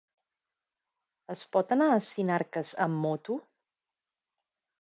Es pot anar a Sinarques amb moto?